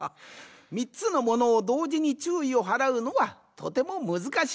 ３つのものをどうじにちゅういをはらうのはとてもむずかしい。